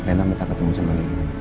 enak minta ketemu sama nenek